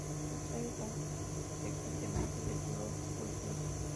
Los tallos son frecuentemente de color púrpura.